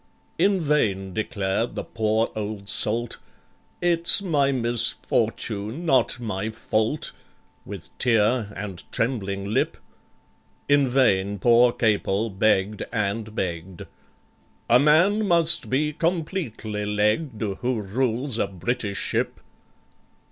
In vain declared the poor old salt, "It's my misfortune—not my fault," With tear and trembling lip— In vain poor CAPEL begged and begged. "A man must be completely legged Who rules a British ship."